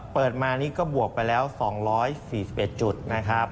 เปิดมานี่ก็บวกไปแล้ว๒๔๑จุดนะครับ